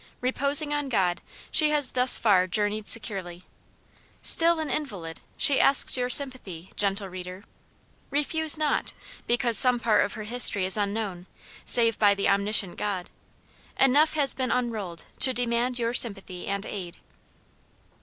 Reposing on God, she has thus far journeyed securely. Still an invalid, she asks your sympathy, gentle reader. Refuse not, because some part of her history is unknown, save by the Omniscient God. Enough has been unrolled to demand your sympathy and aid.